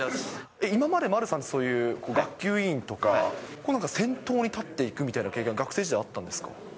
今まで丸さん、そういう学級委員とか、先頭に立っていくみたいな経験は、学生時代、あったんですか。